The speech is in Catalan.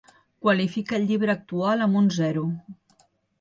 Qualifica el llibre actual amb un zero